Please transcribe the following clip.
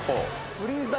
フリーザ